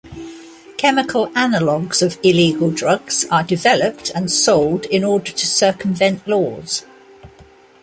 Chemical analogues of illegal drugs are developed and sold in order to circumvent laws.